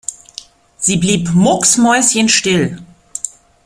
Sie blieb mucksmäuschenstill.